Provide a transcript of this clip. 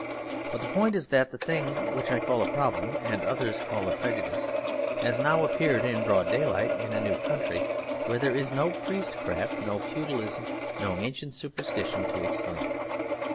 But the point is that the thing which I call a problem, and others call a prejudice, has now appeared in broad daylight in a new country where there is no priestcraft, no feudalism, no ancient superstition to explain it.